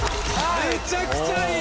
めちゃくちゃいい！